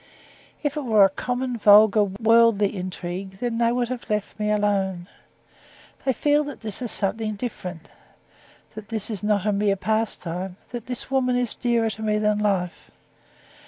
If it were a common, vulgar, worldly intrigue, they would have left me alone. They feel that this is something different, that this is not a mere pastime, that this woman is dearer to me than life.